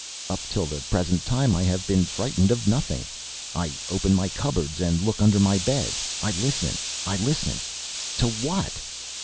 Up till the present time I have been frightened of nothing I open my cupboards, and look under my bed; I listen I listen to what?